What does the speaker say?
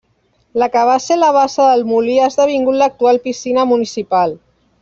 La que va ser la bassa del molí ha esdevingut l'actual piscina municipal.